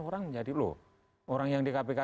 orang jadi loh orang yang di kpk